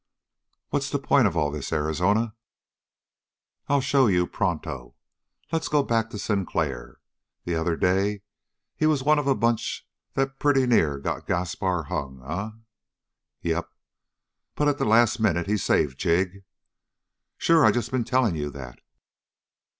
"What's the point of all this, Arizona?" "I'll show you pronto. Let's go back to Sinclair. The other day he was one of a bunch that pretty near got Gaspar hung, eh?" "Yep." "But at the last minute he saved Jig?" "Sure. I just been telling you that."